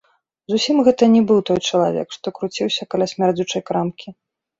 Зусім гэта не быў той чалавек, што круціўся каля смярдзючай крамкі.